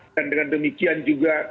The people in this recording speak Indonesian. dan dengan demikian juga